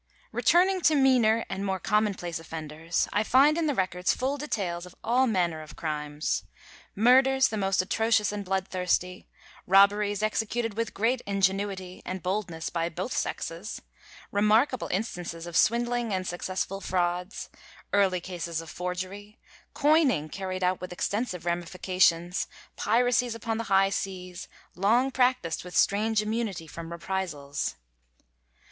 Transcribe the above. Returning to meaner and more commonplace offenders, I find in the records full details of all manner of crimes. Murders the most atrocious and bloodthirsty; robberies executed with great ingenuity and boldness by both sexes; remarkable instances of swindling and successful frauds; early cases of forgery; coining carried out with extensive ramifications; piracies upon the high seas, long practised with strange immunity from reprisals.